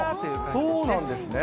そうなんですね。